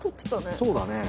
そうだね。